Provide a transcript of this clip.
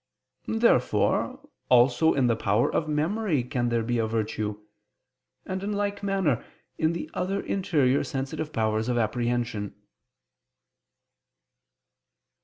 Therefore also in the power of memory there can be a virtue: and in like manner, in the other interior sensitive powers of apprehension.